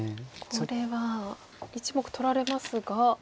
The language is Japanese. これは１目取られますが。